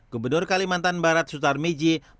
gubernur kalimantan barat sutar miji